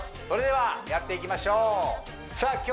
それではやっていきましょうさあ